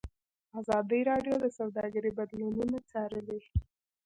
ازادي راډیو د سوداګري بدلونونه څارلي.